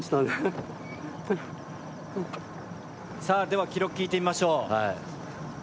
さあでは記録聞いてみましょう。